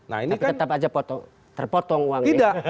tapi tetap aja terpotong uangnya